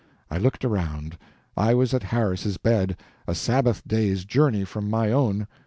I looked around; I was at Harris's bed, a Sabbath day's journey from my own.